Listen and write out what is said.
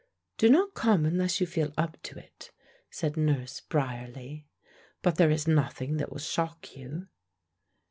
"Do not come unless you feel up to it," said Nurse Bryerley. "But there is nothing that will shock you."